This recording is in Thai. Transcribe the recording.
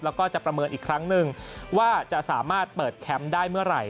แล้วก็จะประเมินอีกครั้งหนึ่งว่าจะสามารถเปิดแคมป์ได้เมื่อไหร่